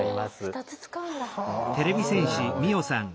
２つ使うんだ。